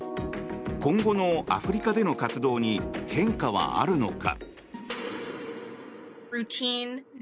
今後のアフリカでの活動に変化はあるのか。